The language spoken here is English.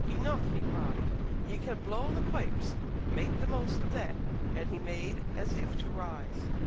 "Enough!" he cried. "Ye can blow the pipes make the most of that." And he made as if to rise.